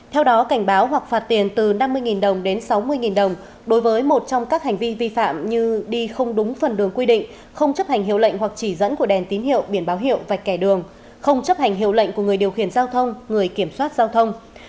theo đó cảnh báo hoặc phạt tiền từ năm mươi đồng đến sáu mươi đồng đối với một trong các hành vi vi phạm như đi không đúng phần đường quy định không chấp hành hiệu lệnh hoặc chỉ dẫn của đèn tín hiệu biển báo hiệu vạch kẻ đường không chấp hành hiệu lệnh của người điều khiển giao thông người kiểm soát giao thông